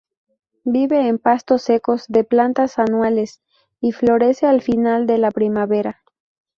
Vive en pastos secos de plantas anuales y florece al final de la primavera.